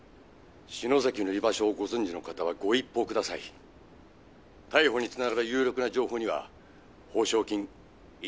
「篠崎の居場所をご存じの方はご一報ください」「逮捕に繋がる有力な情報には報奨金１億円差し上げます」